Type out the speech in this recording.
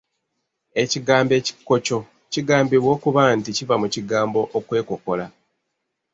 Ekigambo 'ekikoco' kigambibwa okuba nti kiva mu kigambo, okwekokkola.